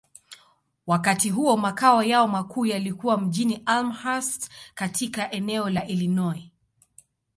Wakati huo, makao yao makuu yalikuwa mjini Elmhurst, katika eneo la Illinois.